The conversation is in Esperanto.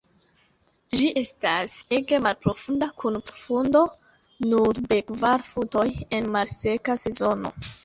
Ĝi estas ege malprofunda, kun profundo nur de kvar futoj en la malseka sezono.